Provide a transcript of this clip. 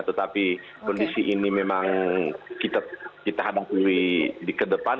tetapi kondisi ini memang kita hadapi di kedepan